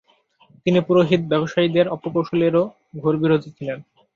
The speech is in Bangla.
তিনি পুরোহিত-ব্যবসায়ীদের অপকৌশলেরও ঘোর বিরোধী ছিলেন।